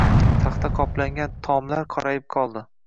Taxta qoplangan tomlar qorayib qoldi.